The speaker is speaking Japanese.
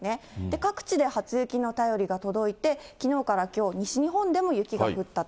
各地で初雪の便りが届いて、きのうからきょう、西日本でも雪が降ったと。